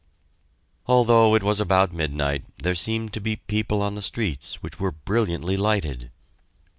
Although it was about midnight there seemed to be people on the streets, which were brilliantly lighted.